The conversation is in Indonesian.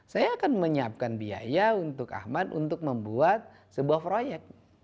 saya akan menyiapkan biaya untuk ahmad untuk membuat sebuah proyek